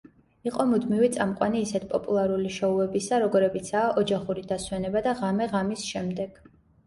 იყო მუდმივი წამყვანი ისეთ პოპულარული შოუებისა, როგორებიცაა „ოჯახური დასვენება“ და „ღამე ღამის შემდეგ“.